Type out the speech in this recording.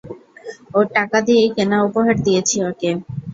ওর টাকা দিয়েই কেনা উপহার দিয়েছি ওকে!